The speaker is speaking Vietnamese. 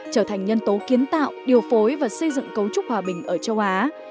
trở thành nhân tố kiến tạo điều phối và xây dựng cấu trúc hòa bình ở châu á